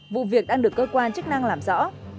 vụ việc đang được cơ quan chức năng làm rõ